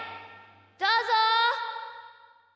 どうぞ！